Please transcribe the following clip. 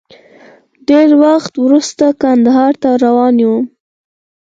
ډېر وخت وروسته کندهار ته روان وم.